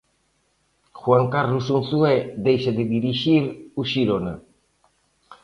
Juan Carlos Unzué deixa de dirixir o Xirona.